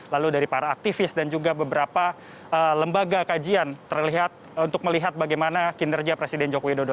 lalu dari para aktivis dan juga beberapa lembaga kajian untuk melihat bagaimana kinerja presiden joko widodo